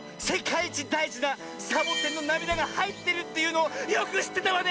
いちだいじなサボテンのなみだがはいってるっていうのをよくしってたわね！